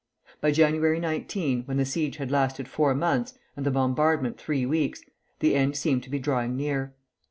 By January 19, when the siege had lasted four months, and the bombardment three weeks, the end seemed to be drawing near.